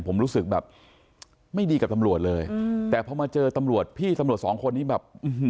ผมรู้สึกแบบไม่ดีกับตำรวจเลยอืมแต่พอมาเจอตำรวจพี่ตำรวจสองคนนี้แบบ